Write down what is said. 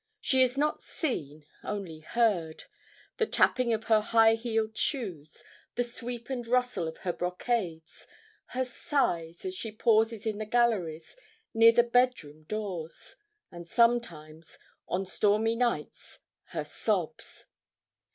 She is not seen, only heard. The tapping of her high heeled shoes, the sweep and rustle of her brocades, her sighs as she pauses in the galleries, near the bed room doors; and sometimes, on stormy nights, her sobs.